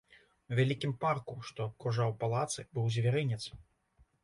У вялікім парку, што абкружаў палацы, быў звярынец.